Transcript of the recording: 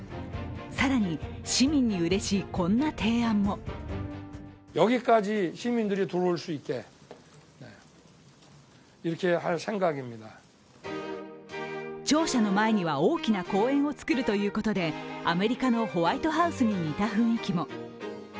更に、市民にうれしいこんな提案も庁舎の前には大きな公園を造るということでアメリカのホワイトハウスに似た雰囲気も。